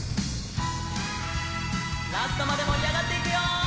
ラストまでもりあがっていくよ！